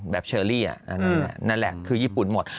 เชอรี่นั่นแหละคือญี่ปุ่นหมด